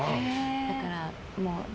だからもう。